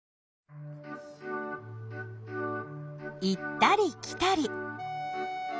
行ったり来たり。